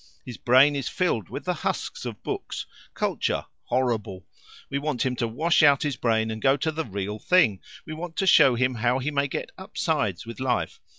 His brain is filled with the husks of books, culture horrible; we want him to wash out his brain and go to the real thing. We want to show him how he may get upsides with life.